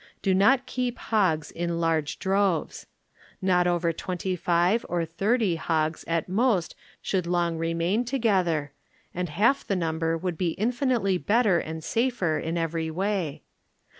Do not keep hogs in large droves. Not over twenty five or thirty hogs at most should long remain together, and half the number would be infinitely better and safer in every way.